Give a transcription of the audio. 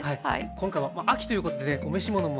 今回は秋ということでねお召し物も秋色。